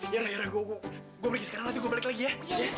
biar akhirnya gue pergi sekarang nanti gue balik lagi ya